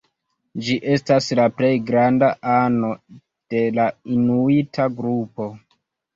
Ĝi estas la plej granda ano de la inuita grupo.